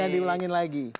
jangan diulangi lagi